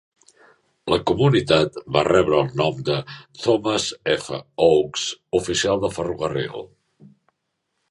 La comunitat va rebre el nom de Thomas F. Oakes, oficial de ferrocarril.